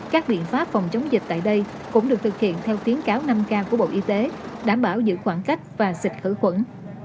các biện pháp phòng chống dịch tại đây cũng được thực hiện theo tiến cáo năm k của bộ y tế đảm bảo giữ khoảng cách và xịt khử khuẩn